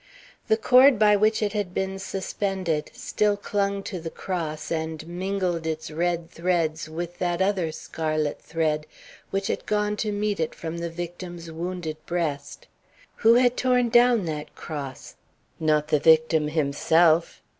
The cord by which it had been suspended still clung to the cross and mingled its red threads with that other scarlet thread which had gone to meet it from the victim's wounded breast. Who had torn down that cross? Not the victim himself.